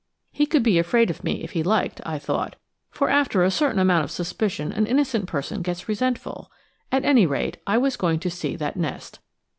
He could be afraid of me if he liked, I thought, for after a certain amount of suspicion an innocent person gets resentful; at any rate, I was going to see that nest.